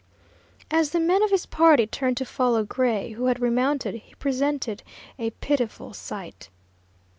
As the men of his party turned to follow Gray, who had remounted, he presented a pitiful sight.